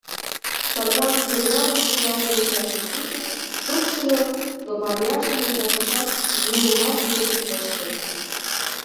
Садлан кӱреналге-шуналге мучашым кучыш, шупшыльо, но парняже мунчалтышат, нимомат луктын ыш керт.